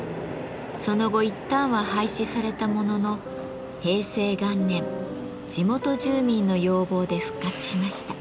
その後一旦は廃止されたものの平成元年地元住民の要望で復活しました。